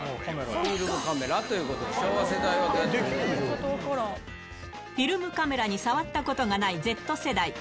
フィルムカメラということで、フィルムカメラに触ったことがないＺ世代。